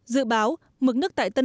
dự báo mực nước tại tân trọng